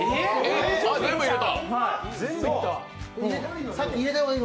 あっ、全部入れた！